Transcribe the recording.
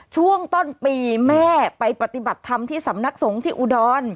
ช่วงต้นปีแม่ไปปฏิบัติธรรมที่สำนักสงฆ์ที่อุดร